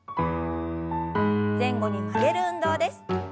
前後に曲げる運動です。